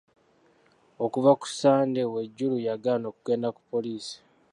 Okuva ku Sande Wejuru yagaana okugenda ku poliisi.